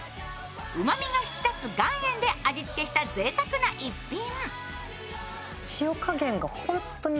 うまみが引き立つ岩塩で味付けしたぜいたくな逸品。